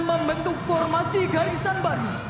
membentuk formasi garisan baru